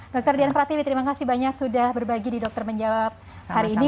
dr dian pratiwi terima kasih banyak sudah berbagi di dokter menjawab hari ini